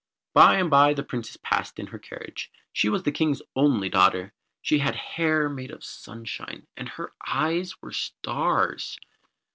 By and by the Princess passed in her carriage. She was the King's only daughter. She had hair made of sunshine, and her eyes were stars.